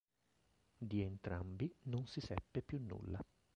Di entrambi non si seppe più nulla.